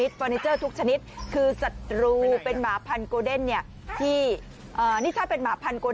ทุกชนิดคือสัตว์รูเป็นหมาพันเนี่ยที่เอ่อนี่ถ้าเป็นหมาพัน